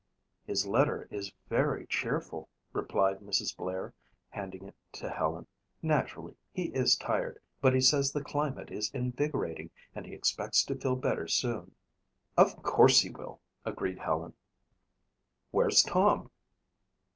"His letter is very cheerful," replied Mrs. Blair, handing it to Helen. "Naturally he is tired but he says the climate is invigorating and he expects to feel better soon." "Of course he will," agreed Helen. "Where's Tom?"